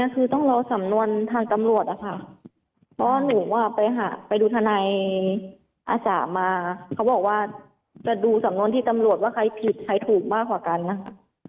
เขาบอกว่าจะดูสำนวนที่ตำรวจว่าใครผิดใครถูกมากกว่ากันนะค่ะ